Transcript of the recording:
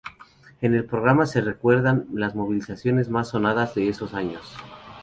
En el programa se recuerdan las movilizaciones más sonadas de esos años.